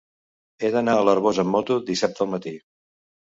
He d'anar a l'Arboç amb moto dissabte al matí.